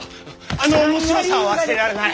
あの面白さは忘れられない！